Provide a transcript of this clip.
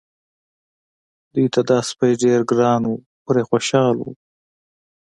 دوی ته دا سپی ډېر ګران و پرې خوشاله وو.